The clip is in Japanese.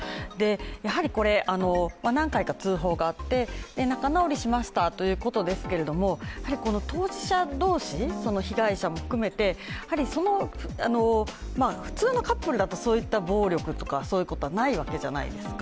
やはり何回か通報があって、仲直りしましたということですけれども、やはり当事者同士、被害者も含めて普通のカップルだとそういった暴力とか、そういうことはないわけじゃないですか。